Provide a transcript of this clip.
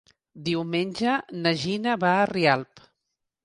Diumenge na Gina va a Rialp.